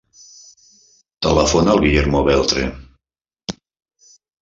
Telefona al Guillermo Beltre.